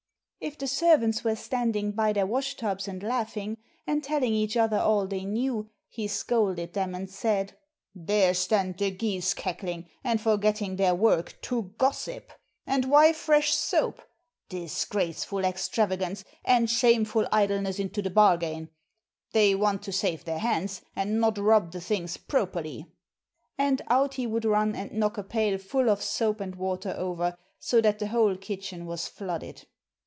If the servants were standing by their wash tubs and laughing, and telling each other all they knew, he scolded them, and said, "There stand the geese cackling, and forgetting their work, to gossip! And why fresh soap? Disgraceful extravagance and shameful idleness into the bargain! They want to save their hands, and not rub the things properly!" And out he would run and knock a pail full of soap and water over, so that the whole kitchen was flooded.